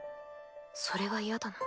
それは嫌だな。